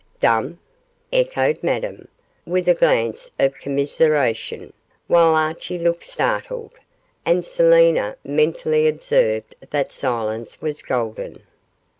'Dumb?' echoed Madame, with a glance of commiseration, while Archie looked startled, and Selina mentally observed that silence was golden.